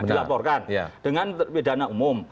dilaporkan dengan pidana umum